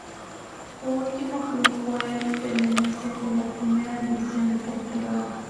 Su último club fue el Belenenses de la Primera División de Portugal.